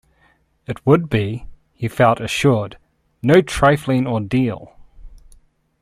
It would be, he felt assured, no trifling ordeal.